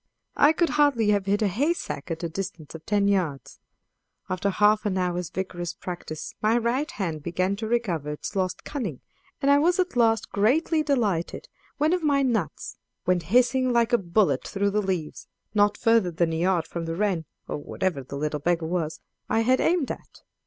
I could hardly have hit a haystack at a distance of ten yards. After half an hour's vigorous practice my right hand began to recover its lost cunning, and I was at last greatly delighted when of my nuts went hissing like a bullet through the leaves, not further than a yard from the wren, or whatever the little beggar was, I had aimed at.